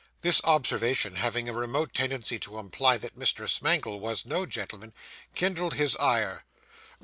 This observation, having a remote tendency to imply that Mr. Smangle was no gentleman, kindled his ire.